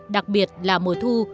đặc biệt là mùa thu